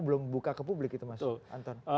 belum buka ke publik itu mas anton